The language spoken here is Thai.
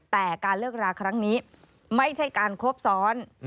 แต่การเลิกราครั้งนี้ไม่ใช่การคบซ้อน